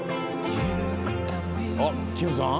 あっキムさん？